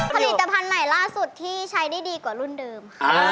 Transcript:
ผลิตภัณฑ์ใหม่ล่าสุดที่ใช้ได้ดีกว่ารุ่นเดิมค่ะ